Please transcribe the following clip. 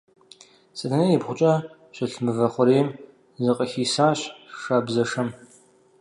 Сэтэней ибгъукӏэ щылъ мывэ хъурейм зыкъыхисащ шабзэшэм.